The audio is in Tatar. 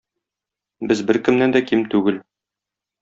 Без беркемнән дә ким түгел.